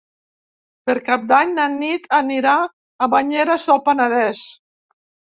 Per Cap d'Any na Nit anirà a Banyeres del Penedès.